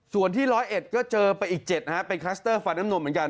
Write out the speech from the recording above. ส่วนที่ร้อยเอ็ดก็เจอไปอีก๗เป็นคลัสเตอร์ฝันน้ำหนวมเหมือนกัน